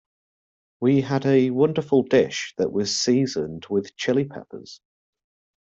We had a wonderful dish that was seasoned with Chili Peppers.